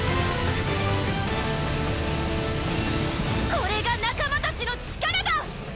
これが仲間たちの力だ！